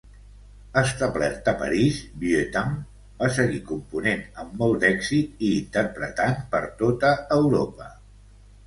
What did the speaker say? Establert a París, Vieuxtemps va seguir component amb molt d'èxit i interpretant per tota Europa.